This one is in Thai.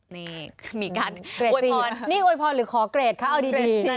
นี่มีการอวยพรนี่อวยพรหรือขอเกรดคะเอาดีเรต